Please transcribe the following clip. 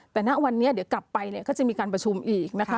แต่ณวันนี้เดี๋ยวกลับไปเนี่ยก็จะมีการประชุมอีกนะคะ